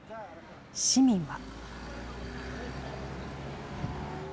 市民は。